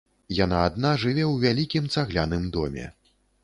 Яна адна жыве ў вялікім цагляным доме.